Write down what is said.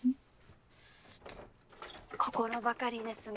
心ばかりですが。